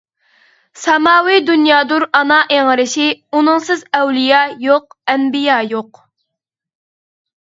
ساماۋى دۇنيادۇر ئانا ئىڭرىشى، ئۇنىڭسىز ئەۋلىيا يوق-ئەنبىيا يوق!